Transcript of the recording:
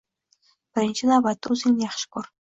Birinchi navbatda o‘zingni yaxshi ko‘r.